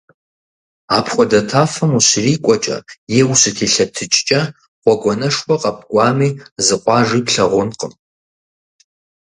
Апхуэдэ тафэм ущрикӀуэкӀэ е ущытелъэтыкӀкӀэ, гъуэгуанэшхуэ къэпкӀуами, зы къуажи плъагъункъым.